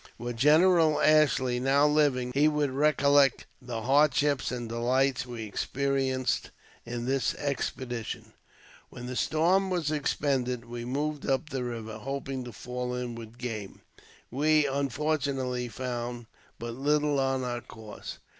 Were General Ashley now living, he would recollect the hardships and delights we experienced in this expedition. When the storm was expended we moved up the river, hoping to fall in with game. We, unfortunately, found but little on our course.